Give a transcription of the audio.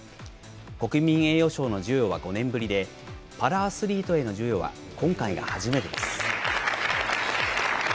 国民栄誉賞の授与は５年ぶりで、パラアスリートへの授与は今回が初めてです。